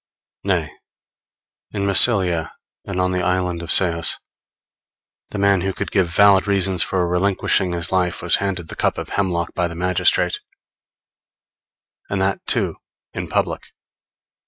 _ Nay, in Massilia and on the isle of Ceos, the man who could give valid reasons for relinquishing his life, was handed the cup of hemlock by the magistrate; and that, too, in public.